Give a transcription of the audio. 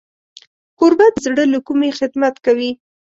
کوربه د زړه له کومي خدمت کوي.